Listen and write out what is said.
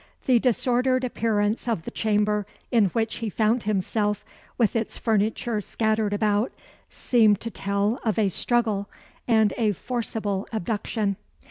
The disordered appearance of the chamber in which he found himself, with its furniture scattered about, seemed to tell of a struggle, and a forcible abduction.